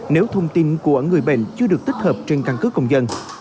nếu thông tin của người bệnh chưa được tích hợp trên căn cứ công dân